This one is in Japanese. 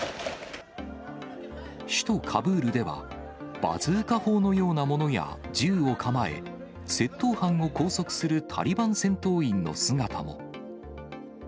首都カブールでは、バズーカ砲のようなものや、銃を構え、窃盗犯を拘束するタリバン戦闘員の姿も。